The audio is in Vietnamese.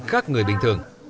khác người bình thường